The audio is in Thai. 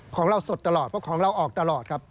ของเราสดตลอดเพราะของเราออกตลอดครับ